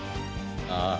ああ。